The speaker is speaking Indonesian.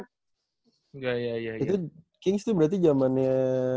itu kings itu berarti zamannya